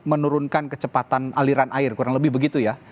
menurunkan kecepatan aliran air kurang lebih begitu ya